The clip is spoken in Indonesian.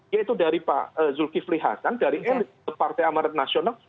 yaitu dari pak zulkifli hasan dari partai amaret nasional